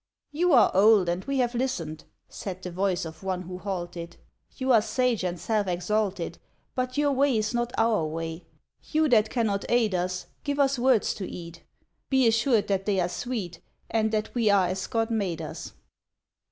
"You are old, and we have listened, Said the voice of one who halted; "You are sage and self exalted, But your way is not our way. You that cannot aid us Give us words to eat. Be assured that they are sweet. And that we are as Grod made us.